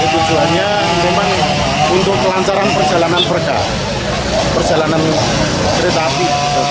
tujuannya memang untuk kelancaran perjalanan berkah perjalanan kereta api